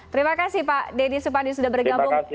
terima kasih pak deddy supadi sudah bergabung